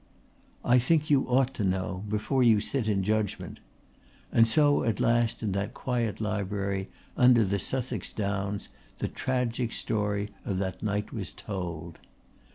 "I think you ought to know before you sit in judgment"; and so at last in that quiet library under the Sussex Downs the tragic story of that night was told.